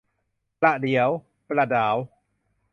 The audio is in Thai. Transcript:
ประเดี๋ยวประด๋าว